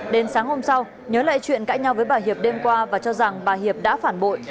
đến sáng hôm sau nhớ lại chuyện cãi nhau với bà hiệp đêm qua và cho rằng bà hiệp đã phản bội